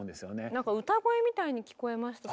なんか歌声みたいに聞こえました。